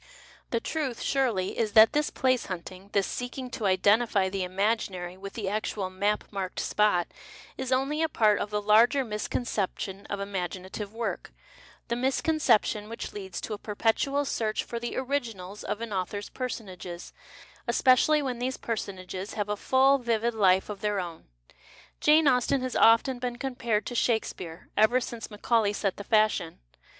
The truth, surely, is that this place hunting, this seeking to " identify " the imaginary with the actual map marked spot, is only n part of the larger 260 JANE AUSTEN misconception of imaginative work — the miscon ception which leads to a perpetual search for the " originals " of an author's personages, especially when these personages have a full, vivid life of their own. Jane Austen has often been compared to Shakesj^care, ever since Macaulay set the fashion.